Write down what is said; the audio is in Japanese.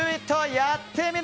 「やってみる。」。